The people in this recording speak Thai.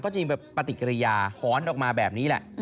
จริงแบบปฏิกิริยาหอนออกมาแบบนี้แหละ